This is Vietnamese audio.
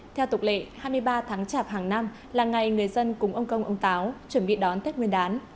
theo tục lệ hai mươi ba tháng chạp hàng năm là ngày người dân cúng ông công ông táo chuẩn bị đón tết nguyên đán